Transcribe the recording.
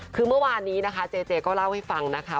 คือเมื่อวานนี้นะคะเจเจก็เล่าให้ฟังนะคะ